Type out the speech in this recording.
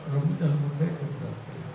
rempuk rempuk saya juga